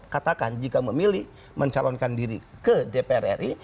katakan jika memilih mencalonkan diri ke dprri